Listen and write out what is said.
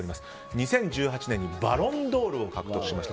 ２０１８年にバロンドールを獲得しました。